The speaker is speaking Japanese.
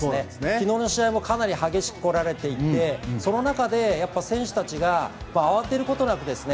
昨日の試合もかなり激しく来られていてその中でやっぱ選手たちが慌てることなくですね